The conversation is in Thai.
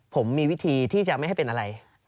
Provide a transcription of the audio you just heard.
ผมมีวิธีที่จะไม่ให้เป็นอะไร